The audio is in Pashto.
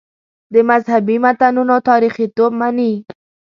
د مذهبي متنونو تاریخیتوب مني.